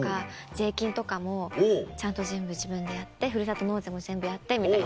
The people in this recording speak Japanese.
税金とかもちゃんと全部自分でやってふるさと納税も全部やってみたいな。